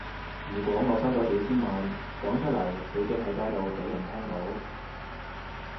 如果我收咗幾千萬，講出嚟會驚喺街度畀人聽到